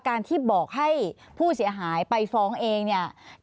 การที่บอกให้ผู้เสียหายไปฟ้องเองเนี่ย